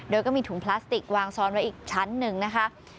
โดยก็มีถุงพลาสติกวางซ้อนไว้อีกชั้นหนึ่งนะคะ